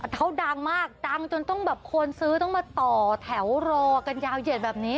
เขาดังมากดังจนต้องแบบคนซื้อต้องมาต่อแถวรอกันยาวเหยียดแบบนี้